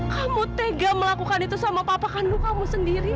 kamu tega melakukan itu sama papa kandung kamu sendiri